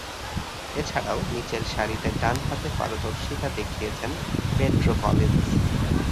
এছাড়াও নিচেরসারিতে ডানহাতে পারদর্শীতা দেখিয়েছেন পেড্রো কলিন্স।